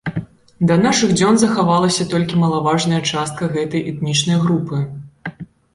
Да нашых дзён захавалася толькі малаважная частка гэтай этнічнай групы.